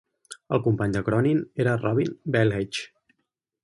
El company de Cronin era Robin Bailhache.